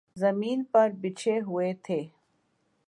زمین پر بچھے ہوئے تھے۔